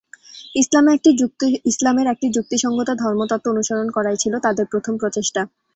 ইসলামের একটি যুক্তিসঙ্গত ধর্মতত্ত্ব অনুসরণ করাই ছিল তাদের প্রথম প্রচেষ্টা।